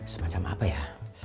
semacam apa ya